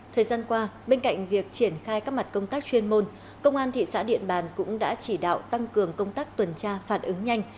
thời gian qua bên cạnh việc triển khai các mặt công tác chuyên môn công an thị xã điện bàn cũng đã chỉ đạo tăng cường công tác tuần tra phản ứng nhanh